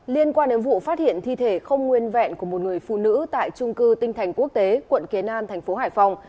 liên quan đến vụ phát hiện thi thể không nguyên vẹn của một người phụ nữ tại trung cư tinh thành quốc tế quận kiến an thành phố hải phòng